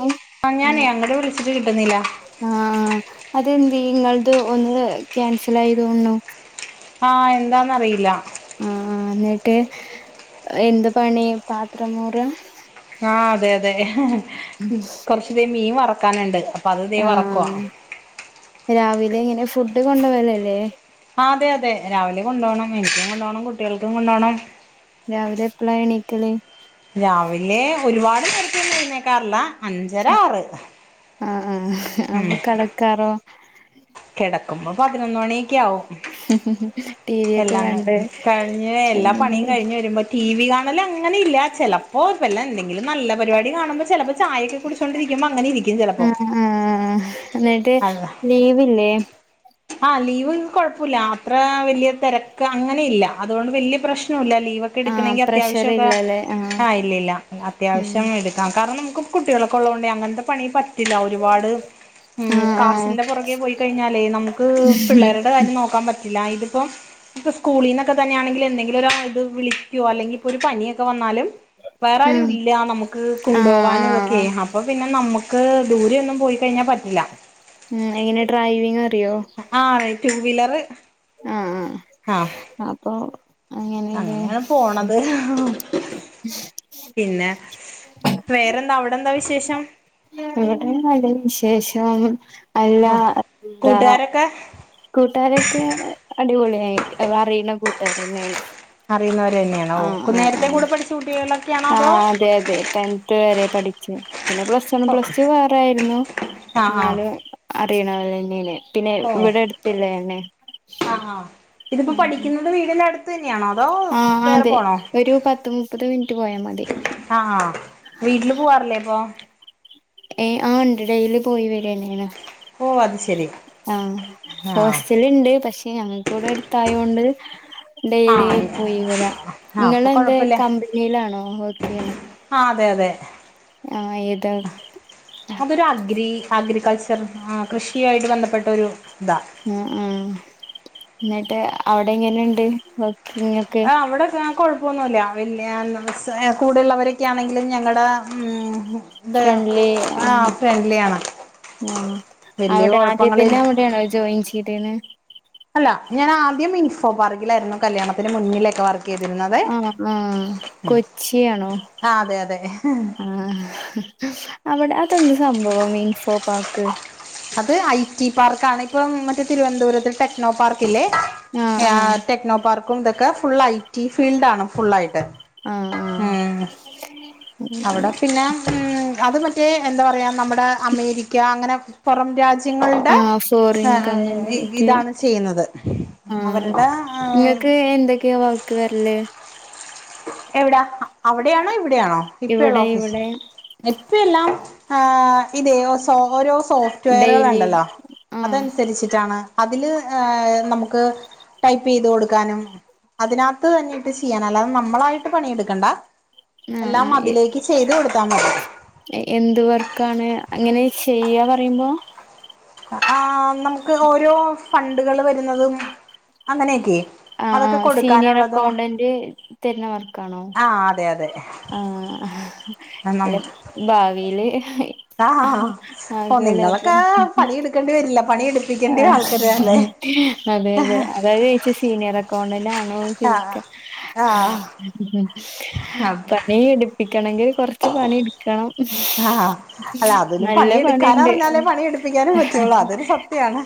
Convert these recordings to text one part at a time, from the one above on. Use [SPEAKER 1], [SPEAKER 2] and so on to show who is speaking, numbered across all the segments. [SPEAKER 1] ഉം
[SPEAKER 2] ആ ഞാനെയ് അങ്ങട്ട് വിളിച്ചിട്ട് കിട്ടുന്നില്ലാ
[SPEAKER 1] ആഹ് അതെന്തേയ്‌ ഇങ്ങളത് ഒന്ന് ക്യാൻസൽ ആയി തോന്നണു
[SPEAKER 2] ആഹ് എന്താന്നറിയില്ല
[SPEAKER 1] ആഹ് ന്നിട്ട് എന്ത പണി പാത്രം മോറാ?
[SPEAKER 2] ആഹ് അതെ അതെ കൊറച്ചുതേ മീൻ വറക്കാനുണ്ട് അപ്പൊ അത് ഇതേ വറക്കുവാ
[SPEAKER 1] ആഹ് രാവിലെ എങ്ങനെ ഫുഡ് കൊണ്ടോവലല്ലേ
[SPEAKER 2] ആ അതെ അതെ രാവിലെ കൊണ്ടോണം എനിക്കും കൊണ്ടോണം കുട്ടികൾക്കും കൊണ്ടോണം
[SPEAKER 1] രാവിലെ എപ്പളാ എണീക്കല്
[SPEAKER 2] രാവിലെ ഒരുപാട് നേരത്തെ ഒന്നും എഴുന്നേക്കാറില്ല അഞ്ചര ആറ്
[SPEAKER 1] ആ ആഹ് ആഹ് അപ്പ കെടക്കാറോ
[SPEAKER 2] കെടക്കുമ്പം പതിനൊന്ന് മണി ക്കെ ആവും
[SPEAKER 1] ടി വി ഒക്കെ
[SPEAKER 2] എല്ലാക
[SPEAKER 1] കണ്ട്
[SPEAKER 2] കഴിഞ്‌ എല്ലപണി
[SPEAKER 1] അങ്ങനെ
[SPEAKER 2] കഴിഞ്ഞ് വരുമ്പ ടി വി കാണല് അങ്ങനെല്ല ചെലപ്പോ വല്ല എന്തെങ്കിലും നല്ല പരിപാടി കാണുമ്പം ചെലപ്പോ ചായൊക്കെ കുടി ടിച്ച്കൊണ്ടിരിക്കുമ്പോ അങ്ങനെ ഇരിക്കും ചെലപ്പോ
[SPEAKER 1] ആഹ് ആഹ് എന്നിട്ട്
[SPEAKER 2] അല്ല
[SPEAKER 1] ലീവില്ലേ
[SPEAKER 2] ആഹ് ലീവ് കൊഴപ്പല്ല അത്ര വല്യ തിരക്ക് അങ്ങനെ ഇല്ല അതുകൊണ്ട് വല്യ പ്രശ്നോല്ല ലീവൊക്കെ
[SPEAKER 1] ആഹ്
[SPEAKER 2] എടുക്കണങ്കിൽ
[SPEAKER 1] പ്രഷർ
[SPEAKER 2] അത്യാവശ്യോക്കെ
[SPEAKER 1] ഇല്ലല്ലേ
[SPEAKER 2] ആഹ് ഇല്ലില്ല
[SPEAKER 1] ഉം
[SPEAKER 2] അത്യാവശ്യം എടു ടുക്കാം കാരണം നമുക്ക് കുട്ടികളൊക്കെ ഉള്ളോണ്ടേയ് അങ്ങനത്തെ പണി പ റ്റില്ല ഒരുപാട് ഉം
[SPEAKER 1] ആഹ് ആഹ്
[SPEAKER 2] കാശിന്റെ പൊറകെ പോയി കഴിഞ്ഞാലെയ് നമുക്ക്‌ പിള്ളേരുടെ കാര്യം നോക്കാൻ പറ്റില്ല ഇതിപ്പ ഇപ്പ സ്കൂളീന്നൊക്കെ തന്നാണെങ്കിൽ എന്തെങ്കിലും ഒരു ആ ഇത് വിളി ക്കു അല്ലെങ്കിപ്പൊ ഒരു പനിയൊക്കെ വന്നാലും വേറാരു ഇല്ല നമുക്ക്
[SPEAKER 1] ആഹ് ആഹ്
[SPEAKER 2] കൊണ്ടോവാനും
[SPEAKER 1] ആഹ്
[SPEAKER 2] ഇതൊക്കെയ് അപ്പൊ പിന്നെ നമുക്ക് ദൂരെ ഒന്നും പോയി കഴിഞ്ഞാ പറ്റില്ല
[SPEAKER 1] ഉം എങ്ങനെ ഡ്രൈവിങ് അറിയോ
[SPEAKER 2] ആഹ് അറിയും ടുവീലറ്
[SPEAKER 1] ആഹ് ആഹ് അപ്പ്
[SPEAKER 2] അങ്ങനെയാണ് പോണത് പിന്നെ വേറെന്താ അവിടെ എന്താ വിശേഷം?
[SPEAKER 1] ഇവിടെ നല്ലവിശേഷം അല്ല എന്താ
[SPEAKER 2] പിക്ക
[SPEAKER 1] കൂട്ടാരൊക്കെ അടിപൊളിയായി അറിയുന്ന കൂട്ടാരെന്നെയാണ്
[SPEAKER 2] അറിയുന്നവർ തന്നെയാണ് ഓഹ് നേരത്തെ കൂടെ പഠിച്ച കുട്ടികളൊ
[SPEAKER 1] ആഹ് അതെതെ ടെൻത് വരെ പഠിച്ചപിന്നെ പ്ലസ് വൺ
[SPEAKER 2] ഓ
[SPEAKER 1] പ്ലസ് ടു വേറേയിരുന്നു
[SPEAKER 2] ആഹ് ആഹ്
[SPEAKER 1] ഇന്നാലും അറിയണവര് തന്നെയ്നിം പിന്നെ
[SPEAKER 2] ഓ ആഹ്
[SPEAKER 1] ഇവിടെ അടുത്ത്ള്ളതെന്നെ
[SPEAKER 2] ആഹ് ഇതിപ്പോ പഠിക്കുന്നത് വീടിന്റെടുത്ത്
[SPEAKER 1] ആഹ് അതെ ഒരു പത്ത് മുപ്പത് മിനിറ്റ് പോയാ മതി
[SPEAKER 2] ആഹ് വീട്ടില് പോവാറില്ലേ അപ്പൊ
[SPEAKER 1] ഏയ് ആഹ് ഉണ്ട് ഡെയിലി പോയി വരന്നെയാണ്
[SPEAKER 2] ഓഹ് അത് ശരി
[SPEAKER 1] ആഹ്
[SPEAKER 2] ആഹ്
[SPEAKER 1] ഹോസ്റ്റല്ണ്ട് പക്ഷെ ഞങ്ങക്കിവിടെ അടുത്തായോണ്ട്
[SPEAKER 2] ആഹ്
[SPEAKER 1] ഡെയ്ലിപോയി വരാ
[SPEAKER 2] ആഹ് അപ്പൊ
[SPEAKER 1] ഇങ്ങളെന്താ
[SPEAKER 2] കൊഴപ്പില്ല
[SPEAKER 1] കമ്പനിയിലാണോ വർക്കെയ്യണെ
[SPEAKER 2] ആഹ് അതെ അതെ
[SPEAKER 1] ആഹ് ഏതാ
[SPEAKER 2] അതൊരു അഗ്രി അഗ്രികൾച്ചർ ആഹ് കൃഷിയായിട്ട് ബന്ധപ്പെട്ട ഒരു ഇതാ
[SPEAKER 1] ആഹ് ആഹ് ന്നിട്ട് അവിടെ എങ്ങനെണ്ട് വർക്
[SPEAKER 2] ആഹ് അവിടൊക്കെ കൊഴപ്പൊന്നൂല്ല വല്യ കൂടെള്ളവരൊക്കെയ ആണെങ്കിലും ഞങ്ങടെ ഉം
[SPEAKER 1] ഫ്രണ്ട്ലി ആണ് ആഹ്
[SPEAKER 2] വലിയ
[SPEAKER 1] അവടെ ആദ്യ
[SPEAKER 2] കുഴപ്പങ്ങളിൽ
[SPEAKER 1] തന്നെ അഒടെയാണോ ജോയിൻ ചെയ്ത്ണ്?
[SPEAKER 2] അല്ല ഞാനാദ്യം ഇൻഫോ പാർക്കിലായിരുന്നു കല്യാണത്തിന് മുന്നിലക്കെ വർ
[SPEAKER 1] ആഹ് ആഹ് കൊച്ചിയാണോ?
[SPEAKER 2] ആ അതെ അതെ
[SPEAKER 1] ആഹ് അവടെ അതെന്ത് സംഭവം മീൻഫോ പാർക്ക്?
[SPEAKER 2] അത് ഐ ടി പാർക്കാണ് ഇപ്പം മറ്റേ തിരുവനന്തപുരത്ത് ടെക് നോ പാർക്ക്ല്ലേ
[SPEAKER 1] ആ ആ
[SPEAKER 2] ഏഹ് ടെക്നോ പാർക്കും തക്കെ ഫുള്ള ഐ ടി ഫീൽഡാണ് ഫുള്ളായിട്ട്.
[SPEAKER 1] ആഹ് ആഹ്.
[SPEAKER 2] അവട പിന്നെ ഉം അത് മറ്റേ എന്താ പറയാ നമ്മടെ അമേരിക്ക അങ്ങനെ പൊറം രാ ങ്ങൾടെ
[SPEAKER 1] ആ ഫോറിൻ
[SPEAKER 2] ഹേ
[SPEAKER 1] കമ്പനിയായിട്ട്
[SPEAKER 2] ഇതാണ് ചെയ്യ്ന്നത് അവരടെ.
[SPEAKER 1] ക്ക് എന്തക്കെയാ വർക്ക് വെര്ല്?
[SPEAKER 2] എവ്ടാ അവിടയാണോ ഇവിടയാണോ ഇപ്പള്ള
[SPEAKER 1] ഇവിടെ
[SPEAKER 2] ഓഫീസ്?
[SPEAKER 1] ഇവിടെ
[SPEAKER 2] ഇപ്പെല്ലാ ഏഹ് ഇതേ സോ ഓരോ സോ
[SPEAKER 1] ഡെയിലി
[SPEAKER 2] റ്റയറ്കള്ണ്ടല്ലോ
[SPEAKER 1] ആ
[SPEAKER 2] അതൻസരിച്ചിട്ടാണ് അതില് ഏഹ് നമുക്ക് ടൈപൈയ് തൊട്ക്കാനും അതിനാത്ത് നിട്ട് ചെയ്യാന് അല്ലാതെ നമ് മ്മളായിട്ട് പണിയെട്ക്കണ്ട
[SPEAKER 1] ആ ആ
[SPEAKER 2] എല്ലാം അതിലേക്ക് ചെയ്ത് കൊടുത്താ മതി.
[SPEAKER 1] എന്ത് വർക്കാണ് അങ്ങനെ ചെയ്യ പറിമ്പോ?
[SPEAKER 2] ആഹ് നമുക്ക് ഓരോ ഫണ്ടുകള് വരുന്നതും അങ്ങനെക്കെ.
[SPEAKER 1] ആഹ് ആഹ് സീനിയർ അക്കൗണ്ടന്റ് തെര്ണ വർക്കാണോ?
[SPEAKER 2] ആഹ് അതെ അതെ.
[SPEAKER 1] ആഹ് അല്ല ഭാവില്
[SPEAKER 2] ആഹ് ഹാ [unintelligible] പണിയെട്ക്കണ്ടി വരില്ല പണി എട്
[SPEAKER 1] ആഹ് അതെ അതെ അതാ ചോയ്ച്ചെ സീനിയർ അക്കൗണ്ടന്റ് ആണോ
[SPEAKER 2] ആ
[SPEAKER 1] ചോയിക്ക.
[SPEAKER 2] ആ ആ
[SPEAKER 1] പണി എട്പ്പിക്കണങ്കി കൊർച്ച് പണി എട് ക്കണം
[SPEAKER 2] ആ അല്ല അതിനും
[SPEAKER 1] നല്ല പണിണ്ട്
[SPEAKER 2] പണിയെടുക്കാനറിഞ്ഞാലേ പണിയെടുപ്പിക്കാനും
[SPEAKER 1] ആഹ്
[SPEAKER 2] പറ്റുള്ളൂ അതൊരു സത്യാണ്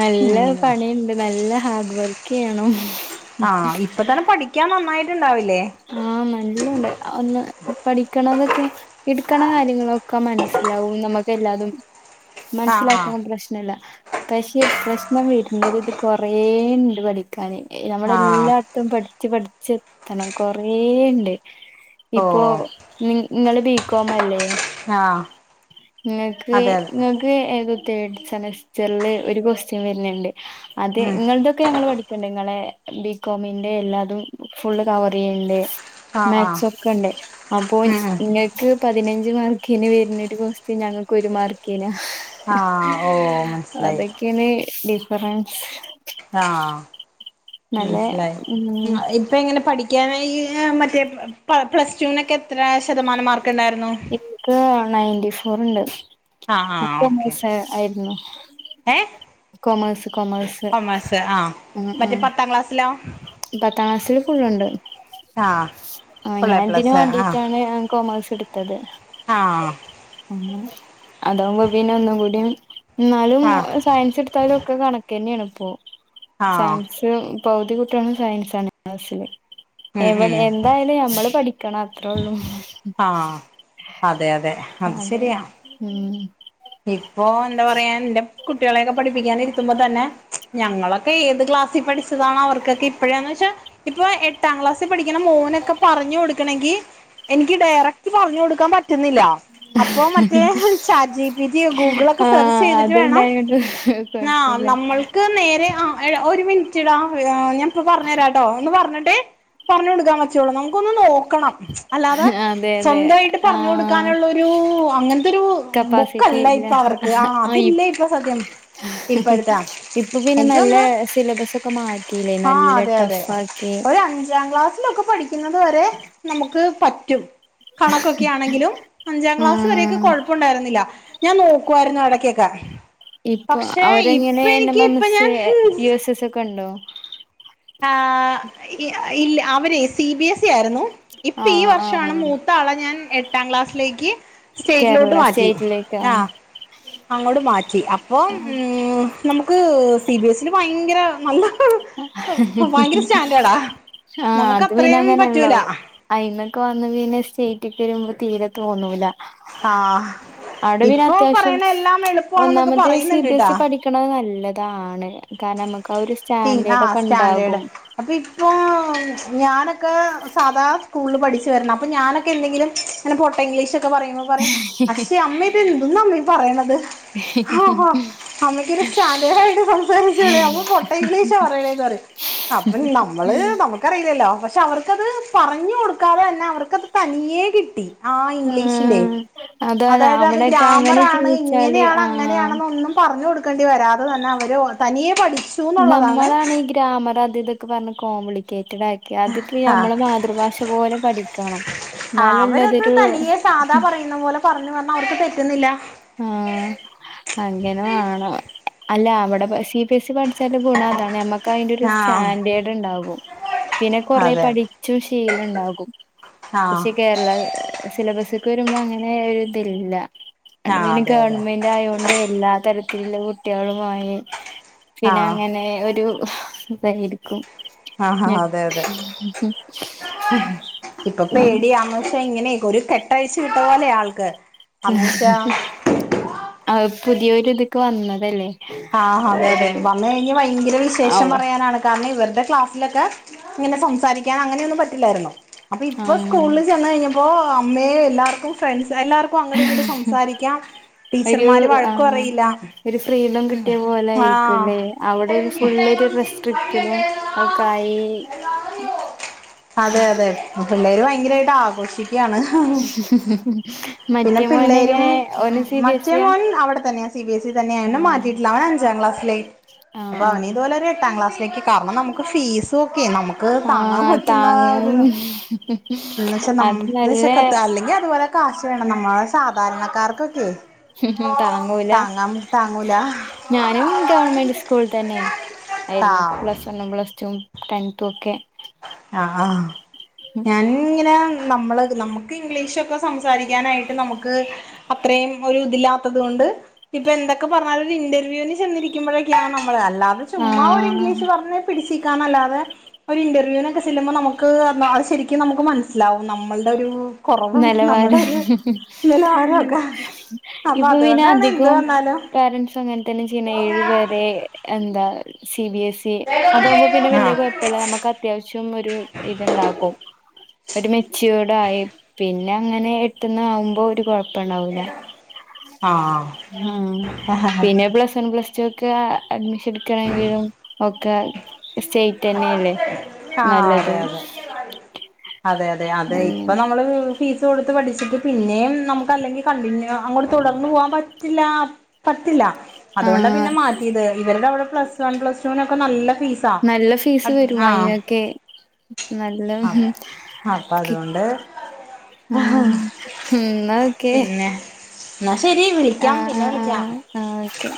[SPEAKER 1] നല്ല പണിണ്ട് നല്ല ഹാർഡ് വർക്കെയ്യണം.
[SPEAKER 2] ആഹ് ഇപ്പ തന്നെ പഠിക്കാൻ നന്നായിട്ട്ണ്ടാവില്ലേ?
[SPEAKER 1] ആഹ് നല്ലോണ്ട് ഒന്ന് പഠിക്കണന്നൊക്കെ. ഇട്ക്കണ കാര്യങ്ങളൊക്കെ മനസ്സ്ലാവും നമക്ക് എല്ലാതും.
[SPEAKER 2] ആ ആ
[SPEAKER 1] മൻസ്സിലാക്കാൻ പ്രശ്നല്ല പക്ഷെ പ്രശ്നം വര്നത് ഇത് കൊറേണ്ട് പഠി കന്
[SPEAKER 2] ആ
[SPEAKER 1] നമ്മളെല്ലാത്തും പഠിച്ച് പഠിച്ചെത്തണം കൊറേയ്ണ്ട്.
[SPEAKER 2] ഓ
[SPEAKER 1] ഇപ്പോ നിങ്ങ ങ്ങള് ബീക്കോമല്ലേ?
[SPEAKER 2] ആ
[SPEAKER 1] ഇങ്ങക്ക്
[SPEAKER 2] അതെ അതെ
[SPEAKER 1] ങ്ങക്ക് ഏത് തേഡ് സെമസ്റ്ററ്ല് ഒരു കൊസ്റ്റ്ൻ വര്ണ് ണ്ട്. അത്
[SPEAKER 2] ഉം
[SPEAKER 1] ങ്ങൾതൊക്കെ ഞങ്ങൾ പഠി പെണ്ണ്ങ്ങളെ ബികോമിന്റെ എല്ലാതും ഫുള്ള് കവറെയ്യ്ണ്ട്.
[SPEAKER 2] ആ ആ
[SPEAKER 1] മാക്സൊക്കെണ്ട് അപ്പോ
[SPEAKER 2] ഉം ഉം
[SPEAKER 1] ഇങ്ങ ക്ക് പതിനഞ്ച് മാർക്കിന് വര്നൊരു കോസ്റ്റ് ഞങ്ങക്കൊരു മാർക്കിന.
[SPEAKER 2] ആഹ് ഓ മനസ്സിലായി
[SPEAKER 1] അതക്കെന് ഡിഫറൻസ്.
[SPEAKER 2] ആഹ് ഉം
[SPEAKER 1] നല്ല
[SPEAKER 2] ളേ
[SPEAKER 1] ഉം
[SPEAKER 2] ഇങ്ങ ഇൻ പ്പ എങ്ങനെ പഠിക്കാനായി മറ്റേ പ്ല പ്ലസ്റ്റൂനൊക്കെ എത്ര ശതമാനം മാർക്ക് ണ്ടാര്ന്നു?
[SPEAKER 1] ക്ക് നയന്റ്ററി ഫോർ ണ്ട്
[SPEAKER 2] ആഹ്
[SPEAKER 1] ന കൊമേസ് ആയിര്ന്നു.
[SPEAKER 2] ഏഹ്
[SPEAKER 1] കൊമേഴ്സ്
[SPEAKER 2] കൊമേഴ്സ് ആഹ് മറ്റേ പത്താം ക്ലാസ്സിലോ?
[SPEAKER 1] പത്താസില് ഫുള്ള്ണ്ട്.
[SPEAKER 2] ആഹ്
[SPEAKER 1] ആഹ് ഞാ
[SPEAKER 2] ഫുള്ള് എ
[SPEAKER 1] ഇതിന്
[SPEAKER 2] പ്ലസ് ആഹ്
[SPEAKER 1] വാണ്ടീട്ടാണ് കോമേഴ്സെട്ത്തത്.
[SPEAKER 2] ആഹ്
[SPEAKER 1] ഉം അതാവുമ്പോ പിന്നെ ഒന്നും കൂടിം ന്നാലും
[SPEAKER 2] ആഹ്
[SPEAKER 1] സയൻസെട്ത്താലു ഒക്കെ കണക്കെന്നണ് പ്പോ
[SPEAKER 2] ആഹ്
[SPEAKER 1] സയൻസ്. പൗതികുട്ട്യളുംസയൻസണ് ക്ലാസില്
[SPEAKER 2] ഉം ഉം
[SPEAKER 1] എവിടെ എന്തായാലും നമ്മള് പഠി ക്കണം അത്രേ ഒള്ളും.
[SPEAKER 2] ആഹ് അതെ അതെ. അത്
[SPEAKER 1] അതെ
[SPEAKER 2] ശരിയാ
[SPEAKER 1] ഉം.
[SPEAKER 2] ഇപ്പൊ എന്താ പറയാ എന്റെ കുട്ടികളെയൊക്കെ പഠിപ്പിക്കാൻ ഇരുത്തുമ്പോ തന്നെ ഞങ്ങളൊക്കെ ഏത് ക്ലാസ്സിൽ പഠിച്ചതാണ അവർക്കൊക്കെ ഇപ്പോഴാന്ന് വെച്ചാ ഇപ്പൊ എ ട്ടാം ക്ലാസ്സിൽ പഠിക്കുന്ന മോനൊക്കെ പറഞ്ഞു ക്കൊടുക്കണമെങ്കിൽ എനിക്ക് ഡയറക്റ്റ് പറഞ്ഞു കൊടുക്കാൻ പറ്റുന്നില്ല. അപ്പൊ മറ്റേ ചാറ്റ് ജി പിറ്റി, ഗൂഗിളൊക്കെ
[SPEAKER 1] ആ
[SPEAKER 2] സെർച്ച് ചെയ്തിട്ട് വേണം
[SPEAKER 1] അത്ണ്ടായോണ്ട്
[SPEAKER 2] ആ
[SPEAKER 1] കൊഴപ്പില്ല
[SPEAKER 2] നമ്മൾക്ക് നേരെ ആ ഏ ഒരു മിനിറ്റ് ടാ ഞാൻപ്പ പറഞ്ഞരാട്ടോ എന്ന് പറഞ്ഞിട്ട് പർഞ്ഞു കൊടുക്കാൻ പറ്റോളൂ നമുക്കൊന്ന് നോക്കണം. അല്ലാതെ
[SPEAKER 1] അതെ അതെ
[SPEAKER 2] സ്വന്തായിട്ട്
[SPEAKER 1] ആ
[SPEAKER 2] പറഞ്ഞു കൊടുക്കാനുള്ള ഒരു അങ്ങനത്തൊരു ബു
[SPEAKER 1] കപ്പാസിറ്റി
[SPEAKER 2] ക്കെല്ല
[SPEAKER 1] ഇല്ല
[SPEAKER 2] ഇപ്പ അവർക്ക് ആ അതില്ല ഇപ്പൊ സത്യം ഇപ്പഴ്‌ത്താ ആ
[SPEAKER 1] ഇപ്പൊ പിന്നെ
[SPEAKER 2] എൻക്ക്
[SPEAKER 1] നല്ല
[SPEAKER 2] തോന്ന്ണെ
[SPEAKER 1] സിലബസ് ഒക്കെ മാറ്റിയില്ലേ
[SPEAKER 2] ആഹ്
[SPEAKER 1] നല്ല
[SPEAKER 2] അതെ അതെ
[SPEAKER 1] ടഫ് ആക്കി
[SPEAKER 2] ഒര അഞ്ചാം ക്ലാസ് ലൊക്കെ പഠിക്കിന്നത് വരെ നമുക്ക് പറ്റും. കണക്കൊക്കെ ആണെങ്കിലും അഞ്ചാം ക്ലാസ് വരെയൊക്കെ
[SPEAKER 1] ആഹ്
[SPEAKER 2] കൊഴപ്പണ്ടായിരുന്നില്ല. ഞാൻ നോക്യോര്ന്നു ഇടക്കെക്കെ.
[SPEAKER 1] ഇപ്പൊ
[SPEAKER 2] പക്ഷെ
[SPEAKER 1] അവരെങ്ങനെ എൻ എം
[SPEAKER 2] ഇപ്പനിക്ക്
[SPEAKER 1] എം
[SPEAKER 2] ഇപ്പ
[SPEAKER 1] എസ്
[SPEAKER 2] ഞാൻ
[SPEAKER 1] യു എസ് എസ് ഒക്കെ ഉണ്ടോ
[SPEAKER 2] ആ ഇ അവരെ സി ബി എസ് ഇ ആയിരുന്നു. ഇപ്പ ഈ
[SPEAKER 1] ആഹ്
[SPEAKER 2] വർഷമാണ്
[SPEAKER 1] ആഹ്
[SPEAKER 2] മൂത്ത ആളെ ഞാൻ എട്ടാം ക്ലാസ്സിലേക്ക് സ്റ്റേറ്റിലോട്ട്
[SPEAKER 1] കേരള
[SPEAKER 2] മാറ്റ
[SPEAKER 1] സ്റ്റേറ്റിലേക്ക് ആ.
[SPEAKER 2] അങ്ങോട്ട് മാറ്റി അപ്പൊ വ് നമുക്ക് സി ബി എസിൽ ഭയങ്കര നല്ല ഭയങ്കര സ്റ്റാന്റേഡാ നമുക്ക് അത്രയും പറ്റൂല.
[SPEAKER 1] അയ്ന്നൊക്കെ വന്ന് പിന്നെ സ്റ്റേറ്റ് ക്ക് വരുമ്പോ തീര തോന്നൂല.
[SPEAKER 2] ആഹ്
[SPEAKER 1] അവ്ടെ പിന്നെ
[SPEAKER 2] ഇപ്പൊ
[SPEAKER 1] അത്യാവശ്യം
[SPEAKER 2] പറയണ എല്ലാം എളുപ്പമാണെന്നൊക്കെ
[SPEAKER 1] ഒന്നാമത് സി ബി
[SPEAKER 2] പറയുന്നുണ്ട്ട്ടാ
[SPEAKER 1] എസ് ഇ പഠി ക്ക്ണ നല്ലതാണ് കാരണം നമക്ക് ആ ഒര്
[SPEAKER 2] ത്തി ആ സ്റ്റാന്റേട്. അപ്പ ഇപ്പോ ഞാനൊക്കെ സാധാ സ്കൂള് പഠിച്ചു വരണം അപ്പൊ ഞാനൊക്കെ എന്തെങ്കിലും അങ്ങനെ പൊട്ട ഇംഗ്ലീഷൊക്കെ പറയുമ്പോ പറയും പക്ഷേ അമ്മ ഇത് എന്തോന്നാ അമ്മേ ഈ പറയണത്. ആഹാ അമ്മക്കൊരു സ്റ്റാന്റേടായിട്ട് സംസാരിച്ചൂടെ അമ്മ പൊ ഗ്ലീഷ പറയണെന്ന് പറയും അപ്പ നമ്മള് നമു ക്കറീലല്ലോ പക്ഷേ അവർക്കത് പറഞ്ഞു കൊടുക്കാതെ തന്നെ അവർക്ക്ത് തനിയേ കിട്ടി. ആ ഇംഗ്ലീഷിന്റെറെ
[SPEAKER 1] ആഹ് അതാണ്
[SPEAKER 2] അതായത് അത്
[SPEAKER 1] അവിടെക്കെ അങ്ങനെ
[SPEAKER 2] ഗ്രാമറാണ്
[SPEAKER 1] ചിന്തിച്ചാല്
[SPEAKER 2] ഇങ്ങനെയാണ്
[SPEAKER 1] ആഹ്
[SPEAKER 2] അങ്ങനെയാണെന്ന് ഒന്നും പറഞ്ഞു കൊട് ക്കേണ്ടി വരാതെ തന്നെ അവര് തനിയെ പഠിച്ചു. എന്നുള്ളതാണ്
[SPEAKER 1] നമ്മളാണ് ഈ ഗ്രാമർ അത് ഇതൊക്കെ പർഞ്ഞ് കോംപ്ലിക്കേറ്റഡ് ആയി ക്യാത്ക്കെ
[SPEAKER 2] ആഹ്
[SPEAKER 1] നമ്മളെ മാതൃഭാഷ പോലെ പഠിക്കണം.
[SPEAKER 2] ആ
[SPEAKER 1] എന്നാലുള്ളതൊരു
[SPEAKER 2] പർഞ്ഞ് പർഞ്ഞ് അവർക്ക് തെറ്റുന്നില്ല.
[SPEAKER 1] ആ അങ്ങനെ മാണം അല്ല അവിടെ സി ബി എസ് ഇ പഠി ച്ചാലുള്ള ഗുണം അതാണ് നമുക്ക് അതിന്റെ ഒരു
[SPEAKER 2] ആഹ്
[SPEAKER 1] സ്റ്റാന്റേട് ഇണ്ടാാവും. പിന്നെ കൊറ
[SPEAKER 2] അതെ
[SPEAKER 1] പഠിച്ചും ശീലം ഇണ്ടാകും
[SPEAKER 2] ആഹ്
[SPEAKER 1] പക്ഷെ കേരള സിലബസ്ക്ക് വരുമ്പോ അങ്ങനെ ഒര് ഇതില്ല. അവ്ടെ
[SPEAKER 2] ആഹ്
[SPEAKER 1] പിന്നെ
[SPEAKER 2] അതെ അതെ
[SPEAKER 1] ഗവൺമെന്റ് ആയോണ്ട് എല്ലാ തരത്തിലുള്ള കുട്ടികളുമായി പിന്നെ
[SPEAKER 2] ആഹ്
[SPEAKER 1] അങ്ങനെ ഒരു ഇതായിരിക്കും.
[SPEAKER 2] ആഹ്
[SPEAKER 1] മ
[SPEAKER 2] അതെ അതെ
[SPEAKER 1] [unintelligible]
[SPEAKER 2] ഇപ്പൊ പേടിയ [unintelligible] ഇങ്ങനെ ഒരു കെട്ടഴിച്ച് വിട്ട പോലെ ആൾക്ക്. അന്ന് വെച്ചാ
[SPEAKER 1] ആഹ് പുതിയൊര്ത്ക്ക് വന്നതല്ലേ?
[SPEAKER 2] ആ അതെ അതെ
[SPEAKER 1] ഒരു
[SPEAKER 2] വന്ന് കഴിഞ്ഞ് ഭയങ്കര വിശേഷം
[SPEAKER 1] അവ
[SPEAKER 2] പറയാനാണ്. തന്നെ ഇവര്ടെ ക്ലാസ്സിലൊക്കെ ഇങ്ങനെ സംസാരിക്ക്യാൻ അങ്ങനെയൊന്നും പറ്റില്ലായിരുന്നു. അപ്പൊ ഇപ്പം
[SPEAKER 1] ആഹ്
[SPEAKER 2] സ്കൂള് ചെന്ന് കഴിഞ്ഞപ്പോ അമ്മേ എല്ലാർക്കും ഫ്രണ്ട്സാ എല്ലാർക്കും അങ്ങട് ഇങ്ങട് സംസാരിക്കാം
[SPEAKER 1] ഒരു
[SPEAKER 2] ടീച്ചർമാര് വഴക്ക്
[SPEAKER 1] ആഹ്
[SPEAKER 2] പറയില്ല
[SPEAKER 1] ഒരു ഫ്രീഡം
[SPEAKER 2] ഉം
[SPEAKER 1] കിട്ടിയ പോലെ
[SPEAKER 2] ആഹ്
[SPEAKER 1] ആയിരിക്കുല്ലേ അവിടെ ഒരു ഫുള്ളൊരു റെസ്ക്റ്റ്ഡും ഒക്കായി ഉം
[SPEAKER 2] അതെ അതെ പിള്ളേര് ഭയങ്കരായിട്ട് ആഘോഷിക്കാണ് പിന്നെ
[SPEAKER 1] മറ്റേ
[SPEAKER 2] പിള്ളേരും
[SPEAKER 1] മോനെങ്ങനെ ഓന് സി ബി എസ്
[SPEAKER 2] മറ്റേ
[SPEAKER 1] ഇ യാ
[SPEAKER 2] മോൻ അവിടെ തന്നെ സി ബി എസ് തന്നെയാ എയ്നെ
[SPEAKER 1] ആഹ്
[SPEAKER 2] മാറ്റിട്ടില്ല അവൻ അഞ്ചാം ക്ലാസിലേ
[SPEAKER 1] ആഹ്
[SPEAKER 2] അപ്പൊ അവന്
[SPEAKER 1] ആഹ്
[SPEAKER 2] ഇതുപോലെ ഒരു എട്ടാം ക്ലാസിലേക്ക് കാരണം നമുക്ക് ഫീസ് ഒക്കെ നമുക്ക് താങ്ങാൻ പറ്റുന്ന ഒരു
[SPEAKER 1] ഉ ഉം
[SPEAKER 2] എന്നച്ചാ നമ്മശക്കത്താ അല്ലെങ്കി അതുപോലെ കാശ് വേണം നമ്മള് സാധാരണക്കാർക്കൊക്കെ
[SPEAKER 1] താങ്ങൂല
[SPEAKER 2] താങ്ങാൻ താങ്ങൂല
[SPEAKER 1] ഞാനും ഗവൺമെന്റ് സ്കൂൾ തന്നെ
[SPEAKER 2] ആ
[SPEAKER 1] ആയിരുന്നു പ്ലസ് ണ്ണും പ്ലസ്റ്റും ടെൻത്തും ഒക്കെ
[SPEAKER 2] ആഹ് ആഹ് ഞാന്ങ്ങനെ നമ്മള് നമ്മക്ക് ഇംഗ്ലീഷൊ സംസാരിക്കാനായിട്ട് നമുക്ക് അത്രയും ഒരു ഇതില്ലാത്തത് കൊണ്ട് ഇപ്പൊ എന്തൊക്കെ പർഞ്ഞാലും ഒരു ഇന്റർവ്യൂന് ചെന്നിരിക്കുമ്പോഴൊക്കെയാണ് നമ്മള് അല്ലാതെ ചുമ്മാ ഒരു
[SPEAKER 1] ആഹ്
[SPEAKER 2] ഇംഗ്ലീഷ് പർഞ്ഞ പിടിച്ച് നിക്കാനല്ലാതെ ഒരു ഇന്റർ ന്റർവ്യൂനൊക്കെ ചെല്ലുമ്പോ നമുക്ക് അത് ശരിക്കും നമുക്ക് മനസ്സിലാവും നമ്മൾടെ ഒരു കുറവും നമ്മുടെ
[SPEAKER 1] നെലവാരം
[SPEAKER 2] ഒരു നിലവാരമൊക്കെ അപ്പൊ
[SPEAKER 1] ഇപ്പൊ പിന്നെ
[SPEAKER 2] അതുകൊണ്ടാണ് എന്ത്
[SPEAKER 1] അധികം
[SPEAKER 2] വന്നാലും
[SPEAKER 1] പോരൻസ് അങ്ങനെ തന്നെ ചെയ്യ്ണെ ഏഴുപേരെയോ എന്താ സി ബി എസി അതാകുമ്പോ പിന്നെ വെല്യ തു പോലെ നമുക്ക് അത്യാവശ്യം ഒരു ഇത്ണ്ടാകും ഒരു മെച്ച്യോട ആയി പിന്നെ അങ്ങനെ എട്ട്ന്നാവുബോ ഒരു കോ പണ്ടാവൂലാ
[SPEAKER 2] ആഹ് ആഹ്
[SPEAKER 1] ആഹ്
[SPEAKER 2] ആഹ്
[SPEAKER 1] പിന്നെ പ്ലസ് വൺ പ്ലസ്‌ ച്ചോക്കെ അഡ്മിഷൻ ഇട്ക്കണെങ്കിലും ഒക്കെ സ്റ്റേറ്റനെല്ലേ നല്ലത്
[SPEAKER 2] അതെ അതെ അതെ അതെ അതെ ഇപ്പൊ
[SPEAKER 1] അങ്ങനെ
[SPEAKER 2] നമ്മള് ഫീസ് കൊടുത്ത് പഠിച്ചിട്ട് പിന്നെയും നമുക്ക് അല്ലെങ്കി കണ്ടിന്യൂ അങ്ങോട്ട് തുടർന്നു പോകാൻ പറ്റില്ല പത്തില്ല അതുകൊണ്ടാ
[SPEAKER 1] ആഹ്
[SPEAKER 2] പിന്നെ മാറ്റിയത് ഇവരുടെ അവിടെ പ്ലസ് വൺ പ്ലസ്റ്റൂനൊക്കെ നല്ല ഫീസാ
[SPEAKER 1] [unintelligible] ഫീസ് വരും
[SPEAKER 2] ആഹ്
[SPEAKER 1] അയ്നോക്കെ നല്ലോം
[SPEAKER 2] അപ്പൊ
[SPEAKER 1] കി
[SPEAKER 2] അതുകൊണ്ട്
[SPEAKER 1] ഉം ഉം എന്നാ ഓക്കെ
[SPEAKER 2] ന്നാ ശെരി
[SPEAKER 1] ആഹ്
[SPEAKER 2] വിളിക്കാം പിന്നെ
[SPEAKER 1] ആഹ്
[SPEAKER 2] വിളിക്കാം
[SPEAKER 1] ആഹ് ആഹ് ഓക്കെ